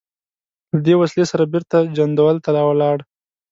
له دې وسلې سره بېرته جندول ته ولاړ.